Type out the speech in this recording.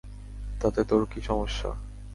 তাতে তোর কী সমস্যা?